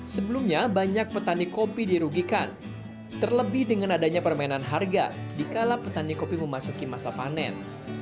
sebelumnya banyak petani kopi dirugikan terlebih dengan adanya permainan harga dikala petani kopi memasuki masa panen